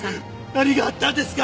何があったんですか！